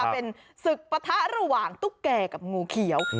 เป็นศึกปะทะระหว่างตุ๊กแก่กับงูเขียว